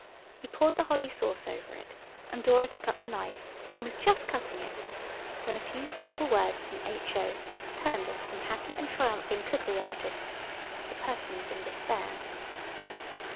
We poured the holly sauce over it, and Dora took up the knife and was just cutting it when a few simple words from H.O. turned us from happy and triumphing cookery artists to persons in despair.